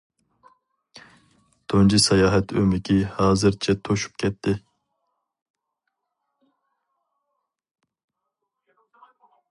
تۇنجى ساياھەت ئۆمىكى ھازىرچە توشۇپ كەتتى.